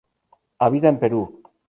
Habita en Perú.